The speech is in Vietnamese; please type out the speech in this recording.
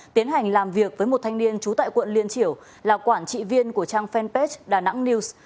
tiến hành làm việc với một thanh niên trú tại quận liên triểu là quản trị viên của trang fanpage đà nẵng news